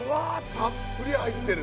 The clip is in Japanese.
たっぷり入ってる。